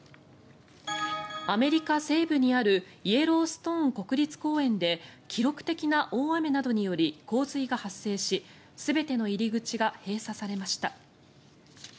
アメリカ西部にあるイエローストン国立公園で記録的な大雨などにより洪水が発生し全ての入り口が閉鎖されました。